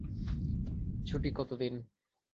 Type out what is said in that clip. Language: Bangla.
ছুটি কত দিন?